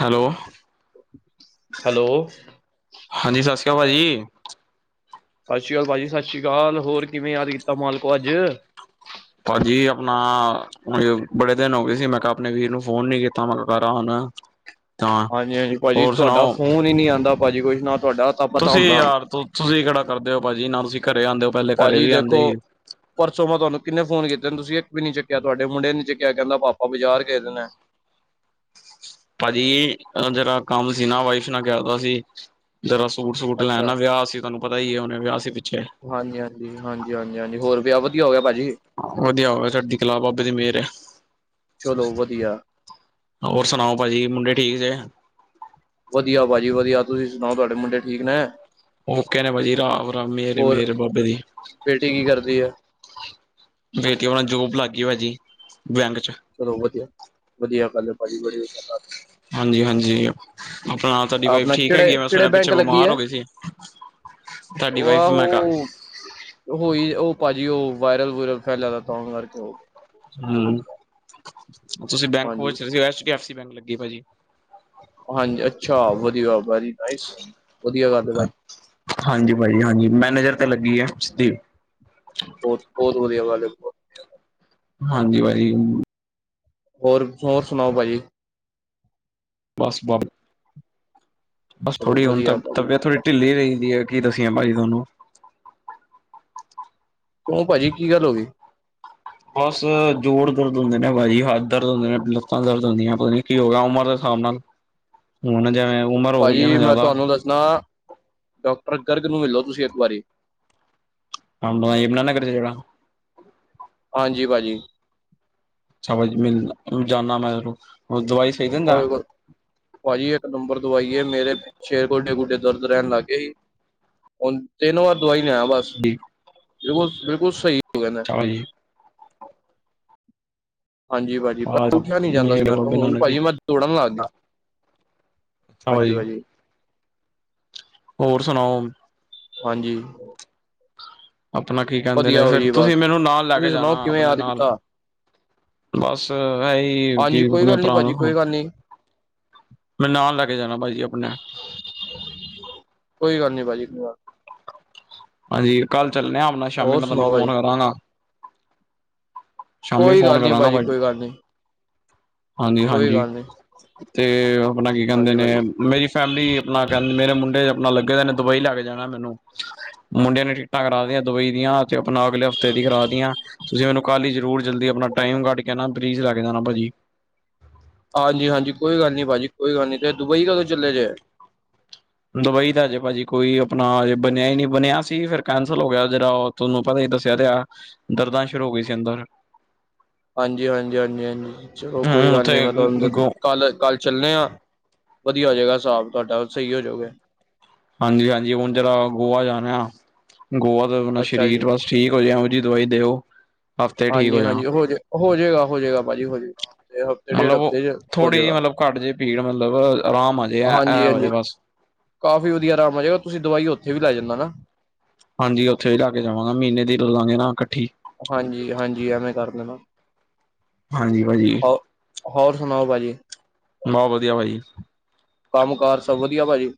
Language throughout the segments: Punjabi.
ਹੈਲੋ ਹੈਲੋ ਹਾਂਜੀ ਸਤਿ ਸ਼੍ਰੀ ਅਕਾਲ ਭਾਅ ਜੀ ਸਤਿ ਸ਼੍ਰੀ ਅਕਾਲ ਭਾਜੀ ਸਤਿ ਸ਼੍ਰੀ ਅਕਾਲ ਹੋਰ ਕਿਵੇਂ ਯਾਦ ਕੀਤਾ ਮਾਲਕੋ ਅੱਜ ਭਾਜੀ ਆਪਣਾ ਬੜੇ ਦਿਨ ਹੋ ਗਏ ਸੀ ਮੈਂ ਕਿਹਾ ਆਪਣੇ ਵੀਰ ਨੂੰ ਫੋਨ ਨੀ ਕੀਤਾ ਮੈਂ ਕਿਹਾ ਕਰਾਂ ਹੁਣ [unintelligible] [inaudible] ਹਾਂਜੀ ਹਾਂਜੀ ਭਾਜੀੀ ਹੋਰ ਤੁਹਾਡਾ ਸੁਣਾਓ ਫੋਨ ਹੀ ਨਹੀਂੀ ਆਉਂਦਾ ਭਾਜੀ ਕੁਛ ਨਾ ਤੁਹਾਡਾ ਤਾਂ ਪਤਾ ਤੁਸੀਂ ਹੁੰਦਾ ਯਾਰ ਤੁਸੀਂ ਖੜਾ ਕਰਦੇ ਹੋ ਭਾਜੀੀ ਨਾ ਤੁਸੀਂ ਘਰੇ ਆਉਂਦੇ ਹੋ ਪਹਿਲੇ ਘਰੇ ਭਾਜੀ ਵੀ ਦੇਖੋ ਆਉਂਦੇ ਸੀ ਪਰਸੋਂ ਮੈਂ ਤੁਹਾਨੂੰ ਕਿੰਨੇ ਫੋਨ ਕੀਤੇ ਨੇ ਤੁਸੀਂ ਇੱਕ ਵੀ ਨੀ ਚੁੱਕਿਆ ਤੁਹਾਡ ਮੁੰਡੇ ਨੀ ਚੁੱਕਿਆ ਕਹਦਾ ਪਾਪਾ ਬਾਜ਼ਾਰ ਗਏਦੇ ਨੇ ਭਾਜੀ ਜਿਹੜਾ ਕੰਮ ਸੀਨਾ ਵਾਈਫ ਨਾਲ ਕਰਦਾ ਸੀ ਜਰਾ ਸੂਟ ਸੂਟ ਲੈਣ ਅੱਛਾ ਨਾ ਵਿਆਹ ਸੀ ਤੁਹਾਨੂੰ ਪਤਾ ਹੀ ਉਹਨੇ ਵਿਆਹ ਸੀ ਪਿੱਛੇ ਹਾਂਜੀ ਹਾਂਜੀ ਹਾਂਜੀ ਹਾਂਜੀ ਹਾਂਜੀ ਹੋਰ ਵਿਆਹ ਵਧੀਆ ਹੋ ਗਿਆ ਭਾਜੀ ਵਧੀਆ ਹੋਵੇ ਤੁਡੇ ਖਿਲਾਬ ਬਾਬੇ ਦੀ ਮਿਹਰ ਹੈ ਚਲੋ ਵਧੀਆ ਹੋਰ ਸੁਣਾਓ ਭਾਜੀ ਮੁੰਡੇ ਠੀਕ ਜੇ ਵਧੀਆ ਭਾਜੀ ਵਧੀਆ ਤੁਸੀਂ ਸੁਣਾਓ ਤੁਹਾਡੇ ਮੁੰਡੇ ਠੀਕ ਨੇ ਉਹ ਕਹਿ ਨੇ ਭਾਜੀ ਰਾਮ ਰਾਮ ਮੇਰੇ ਹੋਰ ਮੇਰੇ ਬਾਬੇ ਦੀ ਬੇਟੀ ਕੀ ਕਰਦੀ ਹੈ ਬੇਟੀ ਉਹ ਨਾਲ ਜੋਬ ਲੱਗ ਗਈ ਹੋ ਜੀ ਬੈਂਕ ਚ ਚਲੋ ਵਧੀਆ ਵਧੀਆ ਗੱਲ ਭਾਜੀ ਬੜੀ ਗੱਲ ਹਾਂਜੀ ਹਾਂਜੀ ਆਪਣਾ ਤੁਹਾਡੀ ਵਾਈਫ ਆਪਣਾ ਠੀਕ ਕਿਹੜੇ ਹੈਗੀ ਆ ਮੈਂ ਕਿਹੜੇ ਸੁਣਿਆ ਪਿੱਛੇ ਬੈਂਕ ਲੱਗੀ ਬਿਮਾਰ ਹੈ ਹੋ ਗਏ ਸੀ ਤੁਹਾਡੀ ਉਹ ਵਾਈਫ ਮੈਂ ਕਿਹਾ ਆਹੋ ਹੋਈ ਉਹ ਭਾਜੀ ਉਹ ਵਾਇਰਲ ਵੁਰਲ ਫੈਲ ਦਾ ਤਾਂ ਕਰਕੇ ਹੋ ਗ ਹਮ ਤੁਸੀਂ ਬੈਂਕ ਵ ਹਾਂਜੀ ਰਹੇ ਸੀ H D F C bank ਲੱਗੇ ਭਾਜੀ ਹਾਂਜੀ ਅੱਛਾ ਵਧੀਆ ਵਰੀ ਨ ਵਧੀਆ ਗ ਹਾਂਜੀ ਭਾਜੀ ਹਾਂਜੀ ਮੈਨੇਜਰ ਤੇ ਲੱਗੀ ਹੈ ਦੀਪ ਬੋਤ ਬੋਤ ਵਧੀਆ ਗੱਲ ਹੈ। ਹਾਂਜੀ ਭਾਜੀ। ਹੋਰ ਹੋਰ ਸੁਣਾਓ ਭਾਜੀ। ਬੱਸ ਬਾ ਬੱਸ ਚਲੋ ਥੋੜੀ ਹੁਣ ਤਾਂ ਵਧੀਆ ਭਾਜੀ ਤਬੀਅਤ ਥੋੜੀ। ਢਿੱਲੀ ਰਹਿੰਦੀ ਹੈ ਕੀ ਦੱਸੀਏ ਭਾਜੀ ਤੁਹਾਨੂੰ। ਓ ਭਾਜੀ ਕੀ ਗੱਲ ਹੋਗੀ? ਬੱਸ ਜੋੜ ਦਰਦ ਹੋਂਦੇ ਨੇ ਭਾਜੀ ਹੱਥ ਦਰਦ ਹੋਂਦੇ ਨੇ, ਲਤਾ ਦਰਦ ਹੋਂਦੀਆ ਨੇ ਪਤਾ ਨੀ ਕੀ ਹੋਗਿਆ ਉਮਰ ਦੇ ਹਿਸਾਬ ਨਾਲ, ਹੁਣ ਜਿਵੇਂ ਉਮਰ ਹੋ ਗਈ ਹੈ ਨਾ ਜਾਦਾ। ਨਾ ਡਾਕਟਰ ਗਰਗ ਨੂੰ ਮਿਲ ਲੋ ਤੁਸੀਂ ਇਕ ਵਾਰੀ। ਯਮੁਨਾਾਨਗਰ ਚੇ ਜੇੜਾ। ਹਾਂਜੀ ਭਾਜੀ ਸਭ ਮਿਲ ਜਾਂਨਾ ਮੈਂ ਦਵਾਈ ਸਹੀ ਹੋ ਦਿੰਦਾ ਗੱਲ ਭਾਜੀ ਇੱਕ ਨੰਬਰ ਦਵਾਈ ਏ ਮੇਰੇ ਸ਼ੇਰ ਗੋਡੇ ਗੁਡੇ ਦਰਦ ਰਹਿਣ ਲੱਗ ਗਏ ਸੀ ਹੁ ਤਿੰਨ ਵਾਰ ਦਵਾਈ ਨ ਆ ਬਸ ਜੀ ਬਿਲਕੁਲ ਬਿਲਕੁਲ ਸਹੀ ਹੋਿੰ ਕੋ ਜੀ ਹਾਂਜੀ ਭਾਜੀ ਉੱਠਆ ਨੀ ਜਾਂਦਾ ਸੀ ਮੇਰੇ ਮੇਰ ਤੋ ਬਾਬੇ ਹੁਣ ਨਾਨਕ ਦੀ ਭਾਜੀ ਮੇ ਤੋੜਨ ਲੱਗ ਗਿਆ ਚਲੋ ਹਾਂਜੀ ਜੀ ਭਾਜੀ। ਹੋਰ ਸੁਣਾਓ। ਹਾਂਜੀ ਅਪਣਾ ਕਿ ਕਹਿੰਦੇ ਵਧੀਆ ਨੇ ਹੋ ਫੇਰ ਜੀ ਬਸ ਤੁਸੀਂ ਮੈਨੂੰ ਨਾਲ ਤੁਸੀਂ ਲੈਕੇ ਸੁਣਾਓ ਜਾਣਾ ਕਿਵੇਂ ਅਪਣੇ ਯਾਦ ਨਾਲ। ਕੀਤਾ ਬੱਸ ਇਹੀ ਹਾਂਜੀ ਕਿ ਕੋਈ ਅਪਣੇ ਗੱਲ ਨੀ ਭਰਾ ਨੂੰ ਭਾਜੀ ਹੁਨ ਕੋਈ ਗੱਲ ਨੀ ਮੈਨ ਨਾਲ ਲੈਕੇ ਜਾਣਾ ਭਾਜੀ ਅਪਣੇ। ਕੋਈ ਗੱਲ ਨੀ ਭਾ ਜੀ [unintelligible] ਹਾਂਜੀ ਕਲ ਚਲਣੇ ਹਾ ਅਪਣਾ ਸ਼ਾਮੀ ਹੋਰ ਮੈਂ ਤੁਹਾਨੂੰ ਸੁਣਾਓ ਭਾਜੀ ਫੋਨ ਕਰਾਂਗਾ। ਸ਼ਾਮੀਂ ਕੋਈ ਫੋਨ ਗੱਲ ਨੀ ਕਰਾਂਗਾ ਭਾਜੀ ਭਾ ਕੋਈ ਗੱਲ ਨੀ ਕੋਈ ਹਾਂਜੀ-ਹਾਂਜੀ ਗੱਲ ਨੀ ਤੇ ਅਪਣਾ ਕਿ ਕਹਿੰਦੇ ਹਾਂਜੀ ਨੇ ਭਾਜੀ ਮੇ ਫੈਮਲੀ ਅਪਣਾ ਕਹਿੰਦੇ ਮੇਰੇ ਮੁੰਡੇ ਆਪਣਾ ਲੱਗੇ ਦੇ ਨੇ ਦੁਬਈ ਲੈ ਕੇ ਜਾਣਾ ਮੈਨੂੰ। ਮੁੰਡਿਆਂ ਨੇ ਟਿਕਟਾਂ ਕਰਾ ਦੀਆਂ ਦੁਬਈ ਦੀਆਂ ਤੇ ਆਪਣਾ ਅਗਲੇ ਹਫ਼ਤੇ ਦੀ ਕਰਾ ਤੀਆ। ਤੁਸੀਂ ਮੈਨੂੰ ਕੱਲ ਹੀ ਜ਼ਰੂਰ ਜਲਦੀ ਅਪਣਾ ਟਾਈਮ ਕੱਢ ਕੇ ਪਲੀਸ ਲੈਕੇ ਜਾਣਾ ਭਾਜੀ। ਹਾਂਜੀ-ਹਾਂਜੀ ਕੋਈ ਗੱਲ ਨੀ ਭਾਜੀ ਕੋਈ ਗੱਲ ਨੀ ਤੇ ਦੁਬਈ ਕਦੋਂ ਚੱਲੇ ਜੇ। ਦੁਬਈ ਦਾ ਅਜੇ ਭਾਜੀ ਕੋਈ ਅਪਣਾ ਅਜੇ ਬਣਿਆ ਹੀ ਨਹੀਂ ਬਣਿਆ ਸੀ ਫਿਰ ਕੈਂਸਲ ਹੋ ਗਿਆ ਜਿਹੜਾ ਤੁਹਾਨੂੰ ਪਤਾ ਹੀ ਦੱਸਿਆ ਤੇ ਆ ਦਰਦਾਂ ਸ਼ੁਰੂ ਹੋ ਗਈ ਸੀ ਅੰਦਰ। ਹਾਂਜੀ-ਹਾਂਜੀ, ਹਾਂਜੀ-ਹਾਂਜੀ ਚਲੋ ਕੋਈ ਹਮ ਗੱਲ ਨੀ ਉੱਥੇ ਮੈਂ ਤੁਹਾਨੂੰ ਗੋ ਕੱਲ, ਕੱਲ ਚੱਲੇ ਹਾਂ ਵਧੀਆ ਹੋ ਜੇਗਾ ਹਿਸਾਬ ਤੁਹਾਡਾ ਸਹੀ ਹੋ ਜੋਗੇ। ਹਾਂਜੀ-ਹਾਂਜੀ ਹੁਣ ਜਿਹਰਾ ਗੋਆ ਜਾਣਾ, ਗੋਆ ਦਾ ਅਪਨਾ ਅੱਛਾ ਜੀ ਸ਼ਰੀਰ ਬਸ ਠੀਕ ਹੋ ਜੇ ਇਹੋ ਜੀ ਦਵਾਈ ਦਿਓ। ਹਫ਼ਤੇ ਠੀਕ ਹੋ ਜਾ ਹਾਂਜੀ-ਹਾਂਜੀ ਹੋਜੇ ਹੋ ਜਏਗਾ, ਹੋ ਜਏਗਾ ਭਾਜੀ ਹੋ ਜਏਗਾ। ਮਲਬ ਥੋੜ੍ਹੀ ਜਿਹੀ ਮਤਲਬ ਘੱਟ ਜੇ ਪੀੜ ਮਤਲਬ ਆਰਾਮ ਆਜੇ ਇਹ ਹੋਜੇ ਬਸ। ਕਾਫੀ ਵਧੀਆ ਆਰਾਮ ਆ ਜੇਏਗਾ ਤੁਸੀਂ ਦਵਾਈ ਉੱਥੇ ਵੀ ਲੈ ਜਾਨਾ ਨਾ। ਹਾਂਜੀ ਉੱਥੇ ਵੀ ਲੈਅ ਕੇ ਜਾਵਾਂਗਾ ਮਹੀਨੇ ਦੀ ਲੈ ਲਾਂਗੇ ਨਾ ਕੱਠੀ। ਹਾਂਜੀ-ਹਾਂਜੀ ਐਵੇਂ ਕਰ ਦੇਨਾ। ਹਾਂਜੀ ਭਾਜੀ। ਹੋ ਹੋਰ ਸੁਣਾਓ ਭਾਜੀ। ਮੋ ਵਧੀਆ ਭਾਜੀ। ਕੰਮ ਕਾਰ ਸਭ ਵਧੀਆ ਭਾਜੀ।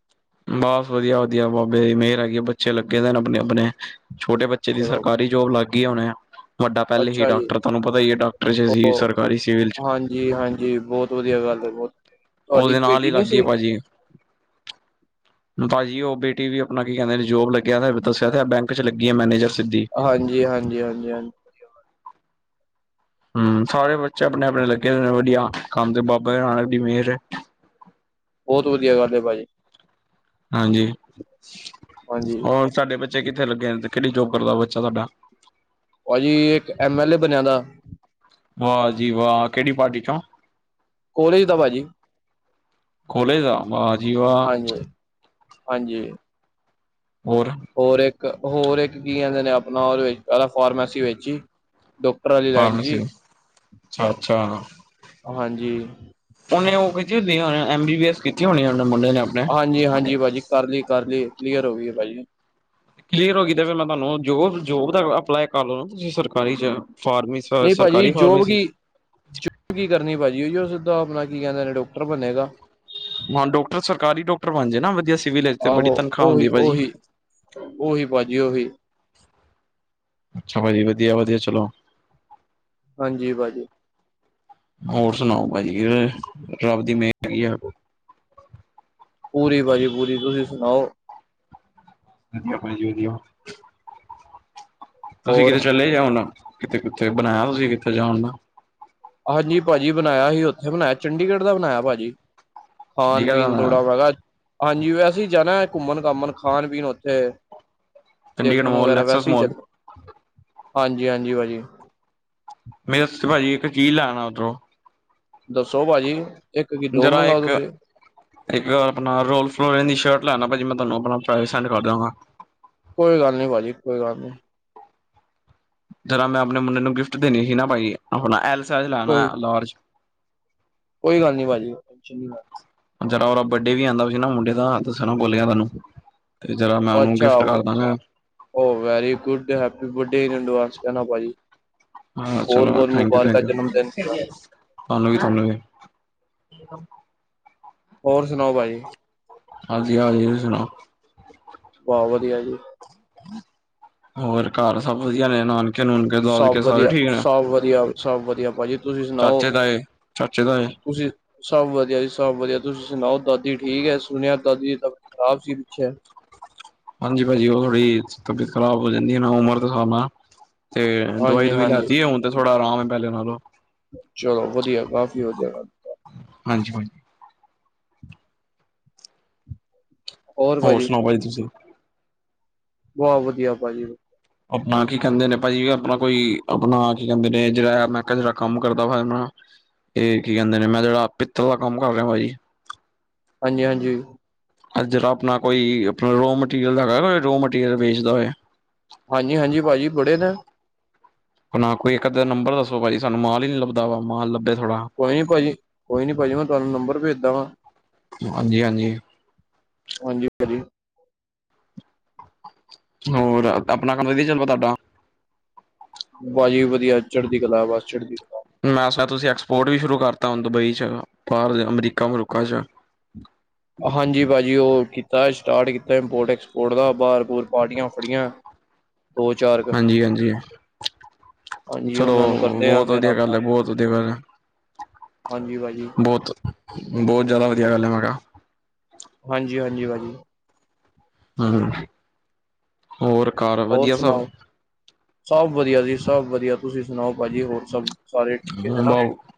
ਬਸ ਵਧੀਆ-ਵਧੀਆ ਬਾਬੇ ਦੀ ਮਿਹਰ ਹੈਗੀ ਹੈ ਬੱਚੇ ਲ ਲੱਗੇ ਦੇ ਨੇ ਅਪਨੇ-ਅਪਨੇ ਛੋਟੇ ਬੱਚੇ ਦੀ ਚਲੋ ਸਰਕਾਰੀ ਜੋਬ ਲੱਗ ਗਈ ਹੁਣੇ। ਵੱਡਾ ਪਹਿਲੇ ਹੀ ਅੱਛਾ ਜੀ ਡਾਕਟਰ ਤੁਹਾਨੂੰ ਪਤਾ ਹੀ ਹੈ ਡਾਕਟਰ ਚ ਸੀ ਸਰਕਾਰੀ ਸਿਵਲ ਚ। ਜੀ ਹਾਂਜੀ ਬਹੁਤ ਵਧੀਆ ਗੱਲ ਹੈ ਬਹੁਤ ਤੁਹਾਡੀ ਉਹਦੇ ਨਾਲ ਹੀ ਬੇਟੀ ਲੱਗ ਨੀ ਗਈ ਏ ਸੀ ਭਾਜੀ। ਭਾਜੀ ਉਹ ਬੇਟੀ ਵੀ ਆਪਣਾ ਕੀ ਕਹਿੰਦੇ ਨੇ ਜੋਬ ਲੱਗਿਆ ਦੱਸਿਆ ਤੇ ਬੈਂਕ ਚ ਲੱਗੀ ਹੈ ਮੈਨੇਜਰ ਸਿੱਧੀ। ਹਾਂਜੀ-ਹਾਂਜੀ, ਹਾਂਜੀ-ਹਾਂਜੀ ਹਮ ਸਾਰੇ ਬੱਚੇ ਆਪਣੇ-ਆਪਣੇ ਲੱਗੇ ਹੋਏ ਨੇ ਵਧੀਆ ਕੰਮ ਤੇ ਬਾਬਾ ਨਾਨਕ ਦੀ ਮਿਹਰ ਏ। ਬਹੁਤ ਵਧੀਆ ਗੱਲ ਹੈ ਭਾਜੀ। ਹਾਂਜੀ, ਹਾਂਜੀ ਹੋਰ ਸਾਡੇ ਬੱਚੇ ਕਿੱਥੇ ਲੱਗੇ ਨੇ ਕਿਹੜੀ ਜੋਬ ਕਰਦਾ ਬੱਚਾ ਸਾਡਾ? ਭਾਜੀ ਇੱਕ ਐਮ ਐਲ ਏ ਬਣਿਆ ਦਾ। ਵਾਹ ਜੀ ਵਾਹ, ਕਿਹੜੀ ਪਾਰਟੀ ਚੋਂ? ਕੋਲੇਜ ਦਾ ਭਾਜੀ। ਕੋਲੇਜ ਦਾ ਵਾਹ ਜੀ ਵਾਹ। ਹਾਂਜੀ ਹਾਂਜੀ ਹੋਰ ਹੋਰ ਇੱਕ ਹੋਰ ਇੱਕ ਕੀ ਕਹਿੰਦੇ ਨੇ ਆਪਣਾ ਉਦੇ ਵਿਚ ਪਹਿਲਾ ਫਾਰਮੈਸੀ ਵਿੱਚ ਹੀ। ਡਾਕਟਰ ਵਾਲੀ ਲਾਈਨ ਜੀ ਫਾਰਮੇਸੀ ਅੱਛਾ ਅੱਛਾ ਹਾਂਜੀ। ਉਹਨੇ ਉਹ ਕੀਤੀ ਹੋ ਐਮ ਬੀ ਬੀ ਐਸ ਕੀਤੀ ਹੋਨੀ ਮੁੰਡੇ ਨੇ ਆਪਨੇ। ਹਾਂਜੀ-ਹਾਂਜੀ ਭਾਜੀ ਕਰ ਲੀ ਕਰ ਲੀ ਕਲੀਅਰ ਹੋ ਗਈ ਏ ਭਾਜੀ। ਕਲੀਅਰ ਹੋ ਗਈ ਮੈਂ ਤੁਹਾਨੂੰ ਜੋਬ-ਜੋਬ ਦਾ ਅਪਲਾਈ ਕਰ ਲਓ ਸਰਕਾਰੀ ਚ ਫਾਰਸੀ ਨਈ ਭਾਜੀ ਜੋਬ ਕੀ ਕੀ ਕਰਨੀ ਭਾਜੀ ਉਹੀਓ ਸਿੱਧਾ ਆਪਣਾ ਕੀ ਕਹਿੰਦੇ ਡਾਕਟਰ ਬਨੇਗਾ। ਹਾਂ, ਡਾਕਟਰ ਸਰਕਾਰੀ ਡਾਕਟਰ ਬਣ ਜਾਏਨਾ ਵਧੀਆ ਸਿਵਲ ਤਚ ਬੜੀ ਤਨਖਾਹ ਹੁੰਦੀ ਭਾਜੀ। ਉਹਹੀ ਭਾਜੀ ਉਹਹੀ ਅੱਛਾ ਭਾਜੀ, ਵਧੀਆ-ਵਧੀਆ ਚਲੋ। ਹਾਂਜੀ, ਭਾਜੀ। ਹੋਰ ਸੁਣਾਓ ਭਾਜੀ ਕਿਵੇ? ਰੱਬ ਦੀ ਮੇਹਰ ਹੈਗੀ ਆ। ਪੂਰੀ ਭਾਜੀ ਪੂਰੀ ਤੁਸੀਂ ਸੁਣਾਓ। ਅਸੀ ਆਪਣੇ੍ ਜੀਉਂਦਿ ਔ। ਤੁਸੀਂ ਹੋਰ ਕਿਤੇ ਚਲੇ ਜਾਓ ਨਾ ਕਿਤੇ ਕਿੱਥੇ ਬਣਾਇਆ ਤੁਸੀਂ ਕਿੱਥੇ ਜਾਓ ਨਾ? ਹਾਂਜੀ ਭਾਜੀ, ਬਣਾਇਆ ਸੀ ਉੱਥੇ ਬਣਾਇਆ ਚੰਡੀਗੜ੍ਹ ਦਾ ਬਇਆ ਭਾਜੀ। ਚੰਡੀਗੜ੍ਹ ਦਾ ਖਾਣ-ਪੀਣ ਬਣਾਇਆ ਦੌੜਾ ਵਗਾ ਹਾਂਜੀ, ਵੈਸੇ ਹੀ ਜਾਣਾ ਘੁੰਮਣ- ਘਾਮਣ ਖਾਣ-ਪੀਣ ਉੱਥੇ। ਦੇਖ ਚੰਡੀਗੜ੍ਹ ਮੋਲ ਵਗੈਰਾ ਨੈਕਸਸ ਵੈਸੇ ਹੀ ਚੱਲ, ਮੋਲ ਹਾਂਜੀ-ਹਾਂਜੀ ਭਾਜੀ। ਮੇਰੇ ਵਾਸਤੇ ਭਾਜੀ ਇੱਕ ਚੀਜ਼ ਲੈ ਆਉਣਾ ਉਧਰੋਂ। ਦੱਸੋ ਭਾਜੀ, ਇੱਕ ਕਿ ਦੋ ਜਰਾ ਮੰਗਵਾਓ ਇੱਕ ਤੁਸੀਂ। ਇੱਕ ਆਪਣਾ ਰੋਲ ਫਲੋ ਦੀ ਸ਼ਰਟ ਲੈਣਾ ਭਾਜੀ ਮੈਂ ਤੁਹਾਨੂੰ ਆਪਣਾ ਪੈਸੇ ਸੈਂਡ ਕਰ ਦਵਾਗਾ। ਕੋਈ ਗੱਲ ਨਹੀਂ ਭਾਜੀ ਕੋਈ ਗੱਲ ਨਹੀਂ। ਜਰਾ ਮੈਂ ਆਪਣੇ ਮੁੰਡੇ ਨੂੰ ਗਿਫਟ ਦੇਣੀ ਸੀ ਨਾ ਭਾਈ ਆਪਣਾ ਐਲ ਸਾਈਜ਼ ਲੈਣਾ ਕੋਈ ਲਾਰਜ। ਕੋਈ ਗੱਲ ਨੀ ਭਾਜੀ। ਜਰਾ ਉਹ ਬਡੇ ਵੀ ਆਉਂਦਾ ਸੀ ਨਾ ਮੁੰਡੇ ਤਾਂ ਇਸਕਰਕੇ ਬੋਲਿਆ ਤੁਹਾਨੂੰ। ਤੇ ਜਿਹਰਾ ਮੈਂ ਉਹਨੂੰ ਅੱਛਾ ਗਿਫਟ ਕਰਦਾਂਗਾ। ਉਹ very good happy birthday advance ਕਹਿਦਾ ਭਾਜੀ। ਹਾਂ ਚਲੋ ਬਹੁਤ-ਬਹੁਤ ਥੈਂਕ ਯੂ- ਮੁਬਾਰਕਾਂ ਥੈਂਕ ਯੂ, ਜਨਮ ਦਿਨ ਦੀਆਂ ਤੁਹਾਨੂੰ ਵੀ ਤੁਹਾਨੂੰ ਵੀ। ਹੋਰ ਸੁਣਾਓ ਭਾਈ? ਹਾਂਜੀ-ਹਾਂਜੀ ਤੁਸੀਂ ਸੁਣਾਓ? ਬਹੁਤ ਵਧੀਆ ਜੀ। ਹੋਰ ਘਰ ਸਭ ਵਧੀਆ ਨੇ ਨਾਨ ਨਾਨਕੇ- ਦਾਤਕੇ ਸਭ ਸਾਰੇ ਵਧੀਆ ਠੀਕ ਨੇ ਸਭ ਵਧੀਆ ਸਭ ਵਧੀਆ ਭਾਜੀ ਤੁਸੀਂ ਸੁਣਾਓ ਚਾਚੇ-ਤਾਏ ਚਾਚੇ-ਤਾਏ ਤੁਸੀਂ ਸਭ ਵਧੀਆ ਜੀ- ਸਭ ਵਧੀਆ, ਤੁਸੀਂ ਸੁਣਾਓ ਦਾਦੀ ਠੀਕ ਹੈ ਸੁਣਿਆ ਦਾਦੀ ਦੀ ਤਬੀਅਤ ਖ਼ਰਾਬ ਸੀ ਪਿੱਛੇ। ਹਾਂਜੀ ਭਾਜੀ, ਉਹ ਥੋੜੀ ਤਬੀਅਤ ਖਰਾਬ ਹੋ ਜਾਂਦੀ ਨਾ ਉਮਰ ਦੇ ਹਿਸਾਬ ਨਾਲ। ਤੇ ਦਵਾਈ-ਦੂਵਾਈ ਹਾਂਜੀ-ਹਾਂਜੀ ਲੈਤੀ ਹੈ ਹੁਣ ਤੇ ਥੋੜਾ ਆਰਾਮ ਹੈ ਪਹਿਲੇ ਨਾਲੋਂ। ਚਲੋ ਵਧੀਆ, ਕਾਫੀ ਵਧੀਆ ਗੱਲ ਹਾਂਜੀ-ਹਾਂਜੀ। ਹੋਰ ਸੁਣਾਓ ਭਾਅਜੀ ਤੁਸੀਂ? ਬਹੁਤ ਵਧੀਆ ਭਾਜੀ। ਆਪਣਾ ਕੀ ਕਹਿੰਦੇ ਨੇ ਭਾਜੀ ਆਪਣਾ ਕੋਈ ਆਪਣਾ ਕੀ ਕਹਿੰਦੇ ਨੇ ਜਿਹੜਾ ਮੈਂ ਕਿਹਾ ਜਿਹੜਾ ਕੰਮ ਕਰਦਾ ਵਾ ਆਪਣਾ ਏਹ ਕੀ ਕੇਂਦੇ ਨੇ, ਮੈਂ ਜੇੜਾ ਪਿੱਤਲ ਦਾ ਕੰਮ ਕਰ ਰਿਹਾ ਭਾਜੀ ਹਾਂਜੀ-ਹਾਂਜੀ। ਅੱ ਜਰਾ ਅਪਣਾ ਕੋਈ, ਅਪਣਾ ਰੋ ਮਟੀਰੀਅਲ ਦਾ ਹੈਗਾ ਨਾ, ਰੋ ਮਟੀਰੀਅਲ ਵੇਚਦਾ ਹੋਏ। ਹਾਂਜੀ-ਹਾਂਜੀ ਪਾਜੀ, ਬੜੇ ਨੇ। ਨਾ, ਕੋਈ ਇੱਕੱ ਨੰਬਰ ਦੱਸੋ ਭਾਜੀ ਸਾਨੂੰ ਮਾਲ ਹੀ ਨੀ ਲੱਭਦਾ ਮਾਂਲ ਲੱਭੇ ਥੋੜਾ। ਕੋਈ ਨੀ ਭਾਜੀ- ਕੋਈ ਭਾਜੀ ਮੈਂ ਤੁਹਾਨੂੰ ਨੰਬਰ ਭੇਜਦਾਗਾਂ ਹਾਂਜੀ-ਹਾਂਜੀ। ਉਝ ਹੀ ਕਦੀ ਹੋਰ ਆਪਣਾ ਕੰਮ ਤਾਂ ਵਧਿਆ ਚੱਲਦਾ ਤੁਹਾਡਾ। ਬਾਜੀ ਵਧੀਆ, ਚੜ੍ਹਦੀ ਕਲਾ ਬਸ ਚੜਦੀ ਮੈ ਸੁਣਿਆ ਤੁਸੀਂ ਐਕਸਪੋਰਟ ਵੀ ਸ਼ੁਰੂ ਕਰਤਾ ਹੁ ਦੁਬਈ ਚ ਬਾਹਰ ਅਮਰੀਕਾ-ਅਮਰੂਕਾ ਚ। ਹਾਂਜੀ ਭਾਜੀ, ਉਹ ਕੀਤਾ ਸਟਾਰਟ ਕੀਤਾ ਇੰਪੋਰਟ ਐਕਸਪੋਰਟ ਦਾ ਬਾਰ ਬੁ ਪਾਰਟੀਆਂ ਫੜੀਆਂ। ਦੋ ਚਾਰ ਕੁ ਹਾਂਜੀ-ਹਾਂਜੀ। ਹਾਂਜੀ ਚਲੋ ਉਹਨਾਂ ਨੂੰ ਕਰਦੇ ਆ ਬਹੁਤ ਫਿਰ ਵਧੀਆ ਗੱਲ ਆਪਣਾ ਹੈ-ਬਹੁਤ ਵਧੀਆ ਗੱਲ ਹੈ। ਹਾਂਜੀ ਪਾਜੀ। ਬੋਤ। ਬੋਤ ਜਾਦਾ ਵਦੀਆ ਗੱਲ ਏ, ਮੈਂ ਕਹਾ। ਹਾਂਜੀ-ਹਾਂਜੀ ਭਾਜੀ। ਹਾਂ, ਹੋਰ ਕਾਰ ਹੋਰ ਵਦੀਆ ਸਭ। ਸੁਣਾਓ ਸਭ ਵਦੀਆ ਜੀ, ਸਭ ਵਦੀਆ, ਤੁਸੀਂ ਸੁਣਾਓ? ਪਾਜੀ ਹੋਰ ਸਭ ਸਾਰੇ ਠੀਕ ਨੇ ਨਾ? ਮੈਂ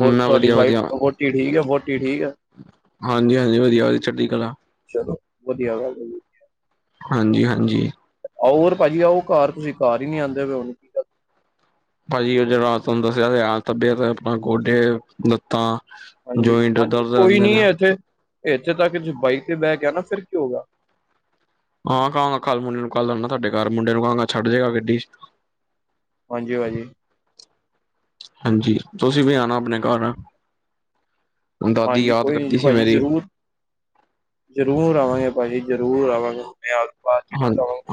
ਹੋਰ ਤੁਆਡੀ ਵਾਈਫ, ਵਧੀਆ-ਵਧੀਆ, ਵੋਟੀ ਠੀਕ ਏ? ਵੋਟੀ ਠੀਕ ਏ? ਹਾਂਜੀ-ਹਾਂਜੀ ਵਦੀਆ, ਚੜਦੀ ਕਲਾ। ਚਲੋ, ਵਦੀਆ ਗੱਲ ਏ ਜੀ। ਹਾਂਜੀ-ਹਾਂਜੀ। ਆਓਰ ਪਾਜੀ ਆਔ ਕਾਰ, ਤੁਸੀਂ ਕਾਰ ਈ ਨਈ ਆਂਦੇ ਬਏ ਹੁਣ। ਗੱਲ ਪਾਜੀ ਉਹ ਜੇਹੜਾ ਤੁਆਨੂੰ ਦੱਸਿਆ ਤੇ ਏ, ਤੱਬੀਅਤ ਆਪਣਾ ਗੋਡੇ, ਲੱਤਾਂ ਹਾਂਜੀ, ਜੋਇੰਟ ਹਾਂਜੀ ਦਰਦ ਕੋਈ ਰਹਿੰਦੇ ਨੀ ਨੇ, ਏਥੇ, ਏਥੇ ਤੱਕ ਤੁਸੀਂ ਬਾਈਕ ਤੇ ਬੇਹ ਕੇ ਆਨਾ, ਫਿਰ ਕਿ ਹੋ ਗਆ। ਹਾਂ ਕਾਂਗਾ ਕੱਲ ਮੁੰਡੇ ਨੂੰ, ਕੱਲ ਆਨਾ ਤੁਆਡੇ ਕਾਰ, ਮੁੰਡੇ ਨੂੰ ਕਾਂਗਾ ਛੱਡ ਜੇਗਾ ਗੱਡੀ ਹਾਂਜੀ ਭਾਜੀ। ਹਾਂਜੀ, ਤੁਸੀਂ ਵੀ ਆਣਾ ਅਪਣੇ ਕਾਰ, ਦਾਦੀ ਹਾਂਜੀ ਯਾਦ ਕੋਈ ਨੀ ਕਰਦੀ ਸੀ ਮੇਰੀ। ਜਰੂਰ ਆਵਾਂਗੇ ਪਾਜੀ, ਜਰੂਰ ਆਵਾਂਗੇ [unintelligible] ਹਾਂ,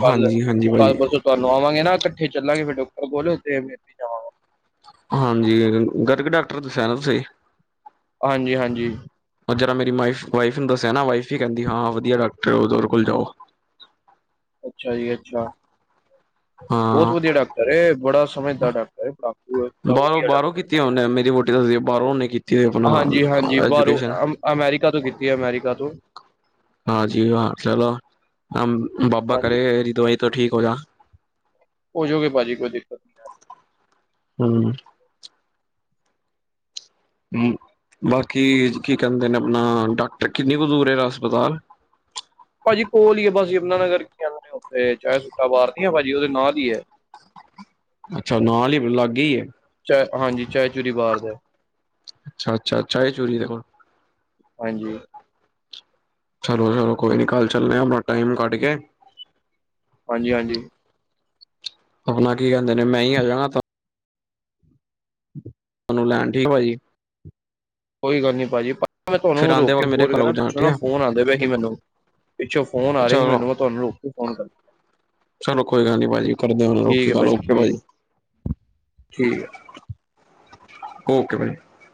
ਹਾਂਜੀ-ਹਾਂਜੀ ਭਾਜੀ। ਤੁਆਨੂੰ ਆਵਾਂਗੇ ਨਾ, ਕੱਠੇ ਚੱਲਾਂਗੇ ਫੇਰ ਡੋਕਟਰ ਕੋਲ, ਤੇ ਮਿਲ ਵੀ ਜਾਵਾਂ ਹਾਂਜੀ, ਗਰਗ ਡਾਕਟਰ ਦੱਸਿਆ ਨਾ ਤੁਸੀਂ? ਹਾਂਜੀ-ਹਾਂਜੀ। ਉਹ ਜਰਾ ਮੇਰੀ ਮਾਇਫ, ਵਾਈਫ ਨੂੰ ਦੱਸਿਆ ਨਾ, ਵਾਈਫ ਵੀ ਕੇਂਦੀ, ਹਾਂ ਵਦੀਆ ਡਾਕਟਰ ਉਹਦੇ ਕੋਲ ਜਾਓ। ਅੱਛਾ ਜੀ, ਅੱਛਾ। ਬੋਤ ਹਾਂ। ਵਦੀਆ ਡਾਕਟਰ ਏ, ਬੜਾ ਸਮਝਦਾਰ ਡਾਕਟਰ ਏ, [unintelligible] ਬੜਾ ਬਾਹਰੋਂ ਵਦੀਆ ਬਾਹਰੋਂ ਡਾਕਟਰ ਏ। ਕੀਤੀ ਉਹਨੇ ਮੇਰੀ ਵੋਟੀ ਦੱਸਦੀ, ਬਾਹਰੋਂ ਔਣੇ ਕੀਤੀ ਹੋਈ ਅਪਣਾ ਹਾਂਜੀ ਹਾਂਜੀ ਬਾਹਰੋਂ ਐਜੂਕੇਸ਼ਨ। ਅਮ ਅਮੈਰੀਕਾ ਤੋਂ ਕੀਤੀ ਏ, ਅਮੈਰੀਕਾ ਤੋਂ। ਹਾਂਜੀ ਹਾਂ ਚਲੋ, ਅਮ ਬਾਬਾ ਹਾਂਜੀ ਕਰੇ ਏਦੀ ਦਵਾਈ ਤੋਂ ਠੀਕ ਹੋ ਜਾ। ਹੋ ਜੋਗੇ ਪਾਜੀ, ਕੋਈ ਦਿੱਕਤ ਨੀ ਹੂੰ। ਹੂੰ, ਬਾਕੀ ਕੀ ਕੇਂਦੇ ਨੇ ਅਪਣਾ, ਡਾਕਟਰ ਕਿੰਨੀ ਕੁ ਦੂਰ ਏ ਏਦਾ ਹਸਪਤਾਲ? ਪਾਜੀ ਕੋਲ ਈ ਐ, ਬਸ ਯਮਨਾ ਨਗਰ ਕੀ ਕੇਂਦੇ ਨੇ ਔਥੇ ਚਾਏ ਸੁੱਟਾਂ ਬਾਰ ਨੀ ਏ ਭਾਜੀ, ਉਹਦੇ ਨਾਲ ਈ ਏ। ਅੱਛਾ ਨਾਲ ਈ, ਲਾਗੇ ਈ ਏ। ਚਾਏ, ਹਾਂਜੀ, ਚਾਏ ਚੂਰੀ ਬਾਜ਼ ਏ। ਅੱਛਾ-ਅੱਛਾ-ਅੱਛਾ ਏਹ ਚੂਰੀ ਦੇ ਕੋਲ। ਹਾਂਜੀ। ਚਲੋ, ਕੋਈ ਨੀ, ਕੱਲ ਚੱਲਣੇ ਆਪਣਾ ਟਾਈਮ ਕੱਢ ਕੇ। ਹਾਂਜੀ- ਹਾਂਜੀ। ਆਪਣਾ ਕੀ ਕਹਿੰਦੇ ਨੇ ਮੈਂ ਹੀ ਆ। ਜਾਣਾ ਤਾਂ ਹ [inaudible] ਨੂੰ ਲੈਣ ਠੀਕ ਆ। ਕੋਈ ਗੱਲ ਨੀ ਪਾਜੀ, ਮੈਂ ਫਿਰ ਤੁਹਾਨੂੰ ਆਉਂਦੇ ਰੋਕ ਕੇ ਵਕਤ ਮੇਰੇ ਫੋਰ ਘਰ ਕਰਾ, ਰੁਕ ਜਾਣਾ ਪਿੱਛੋਂ ਠੀਕ ਨਾ ਹੈ ਫੋਨ ਆਉਂਦੇ ਪਏ ਸੀ ਮੈਨੂੰ। ਪਿੱਛੋਂ ਫੋਨ ਆ ਰਹੇ ਹੀ ਚਲੋ ਮੈਨੂੰ, ਮੈਂ ਤੁਹਾਨੂੰ ਰੁਕ ਕੇ ਫੋਨ ਕਰ ਚਲੋ ਕੋਈ ਗੱਲ ਨੀ ਭਾਜੀ, ਕਰਦੇ ਹੁਣੇ ਰੁਕ ਠੀਕ ਕੇ ਹੈ ਗੱਲ, ਓਕੇ ਠੀਕ ਭਾਜੀ। ਹੈ ਠੀਕ ਐ। ਓਕੇ ਬਾਈ।